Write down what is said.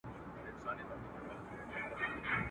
پلار یې پلنډه کړ روان مخ پر بېدیا سو.